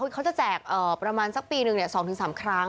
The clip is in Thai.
เขาจะแจกประมาณสักปีหนึ่ง๒๓ครั้ง